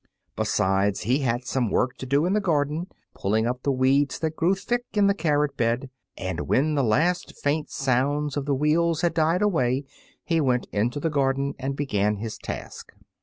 Besides he had some work to do in the garden, pulling up the weeds that grew thick in the carrot bed, and when the last faint sounds of the wheels had died away he went into the garden and began his task.